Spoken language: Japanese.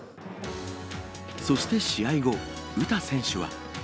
そして試合後、詩選手は。